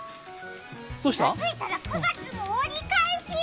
気がついたら９月も折り返し！